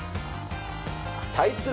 対する